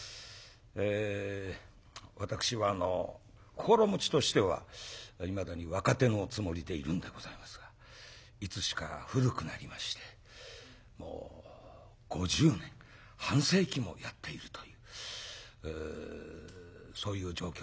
私は心持ちとしてはいまだに若手のつもりでいるんでございますがいつしか古くなりましてもう５０年半世紀もやっているというそういう状況ですね。